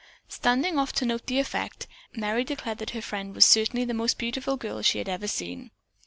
Standing off to note the effect, Merry declared that her friend was certainly the most beautiful girl she had ever seen.